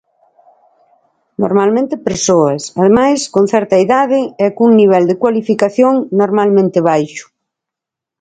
Normalmente persoas, ademais, con certa idade e cun nivel de cualificación normalmente baixo.